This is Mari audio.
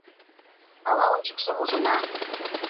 Ала ончыкшым ужына